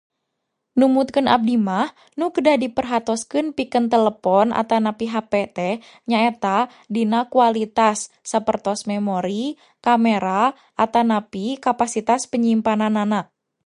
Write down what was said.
Numutkeun abdi mah nu kedah diperhatoskeun pikeun telepon atanapi hape teh nyaeta dina kualitas, sapertos memori, kamera, atanapi kapasitas penyimpananana